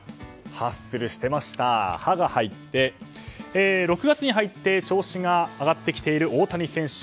ハッスルしていました「ハ」が入って６月に入って調子が上がっている大谷選手。